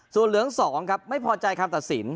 ส่วนเหลือง๒ครับไม่พอใจคำตัดสิน